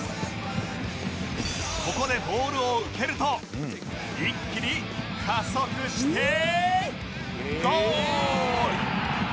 ここでボールを受けると一気に加速してゴール！